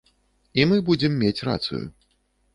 І мы будзем мець рацыю.